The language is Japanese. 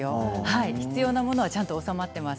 必要なものはちゃんと収まっています。